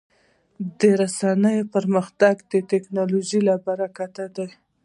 د رسنیو پرمختګ د ټکنالوژۍ له برکته دی.